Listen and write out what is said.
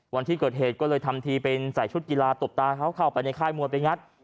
วันที่เกิดเหตุก็เลยทำทีเป็นใส่ชุดกีฬาตบตาเขาเข้าไปในค่ายมวยไปงัด